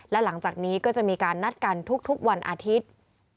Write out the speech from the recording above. และหลังจากนี้ก็จะมีการนัดกันทุกวันอาทิตย์